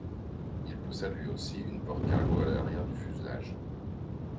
Il possède lui aussi une porte cargo à l'arrière du fuselage.